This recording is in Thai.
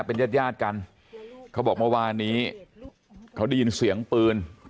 เป็นญาติญาติกันเขาบอกเมื่อวานนี้เขาได้ยินเสียงปืน